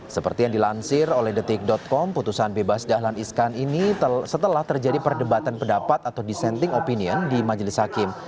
seperti yang dilansir oleh detik com putusan bebas dahlan iskan ini setelah terjadi perdebatan pendapat atau dissenting opinion di majelis hakim